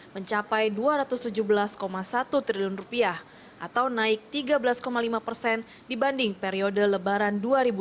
mencapai dua ratus tujuh belas satu triliun atau naik tiga belas lima persen dibanding periode lebaran dua ribu dua puluh